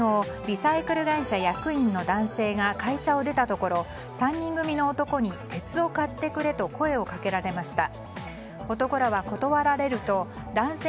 愛知県扶桑町の路上で昨日リサイクル会社役員の男性が会社を出たところ３人組の男に鉄を買ってくれと声をかけられました。